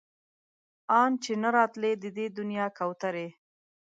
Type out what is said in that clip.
ان چې نه راتلی د دې دنيا کوترې